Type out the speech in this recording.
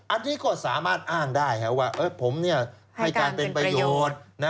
อันนี้ก็สามารถอ้างได้ว่าผมให้การเป็นประโยชน์